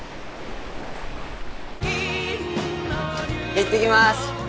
「いってきます」